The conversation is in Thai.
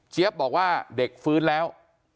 บอกว่าเด็กฟื้นแล้ว